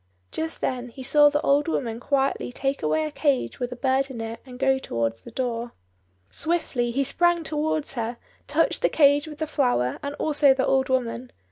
Just then he saw the old woman quietly take away a cage with a bird in it, and go towards the door. Swiftly he sprang towards her, touched the cage with the flower, and also the old woman.